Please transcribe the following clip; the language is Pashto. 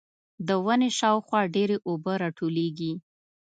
د ونې شاوخوا ډېرې اوبه راټولېږي.